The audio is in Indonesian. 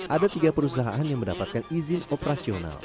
ada tiga perusahaan yang mendapatkan izin operasional